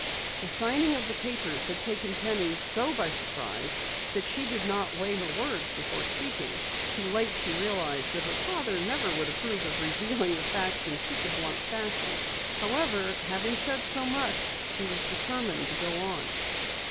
The signing of the papers had taken Penny so by surprise that she did not weigh her words before speaking. Too late, she realized that her father never would approve of revealing the facts in such blunt fashion. However, having said so much, she was determined to go on.